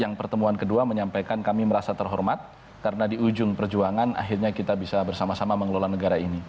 yang pertemuan kedua menyampaikan kami merasa terhormat karena di ujung perjuangan akhirnya kita bisa bersama sama mengelola negara ini